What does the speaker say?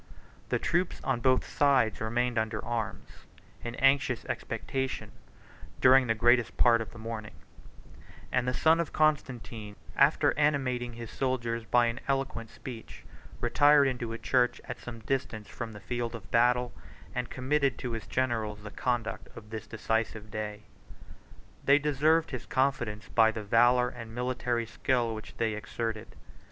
83 The troops on both sides remained under arms, in anxious expectation, during the greatest part of the morning; and the son of Constantine, after animating his soldiers by an eloquent speech, retired into a church at some distance from the field of battle, and committed to his generals the conduct of this decisive day. 84 They deserved his confidence by the valor and military skill which they exerted.